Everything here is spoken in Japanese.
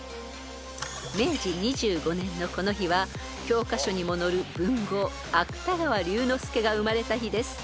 ［明治２５年のこの日は教科書にも載る文豪芥川龍之介が生まれた日です］